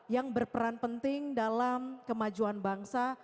yang berperan penting dalam kemajuan bangsa